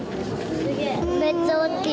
めっちゃ大きい。